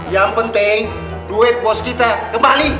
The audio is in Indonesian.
yang penting duit pos kita kembali